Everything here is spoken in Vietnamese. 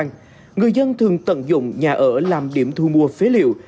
người dân thường tận dụng nhà ở làm điểm thu mua phế liệu